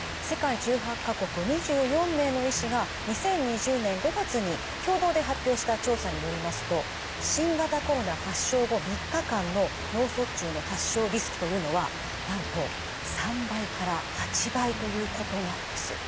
世界１８か国２４名の医師が２０２０年５月に共同で発表した調査によりますと新型コロナ発症後３日間の脳卒中の発症リスクというのはなんと３倍から８倍ということなんです。